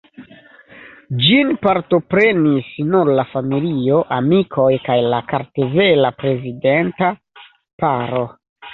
Ĝin partoprenis nur la familio, amikoj kaj la kartvela prezidenta paro.